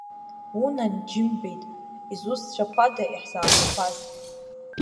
Унан, џьымбеит, изусҭцәақәада иаҳзааугақәаз?